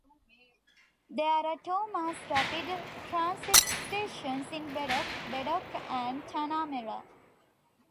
There are two Mass Rapid Transit stations in Bedok, Bedok and Tanah Merah.